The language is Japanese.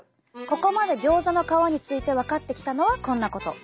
ここまでギョーザの皮について分かってきたのはこんなこと！